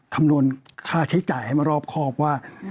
คำนวณค่าใช้จ่ายให้มารอบครอบว่า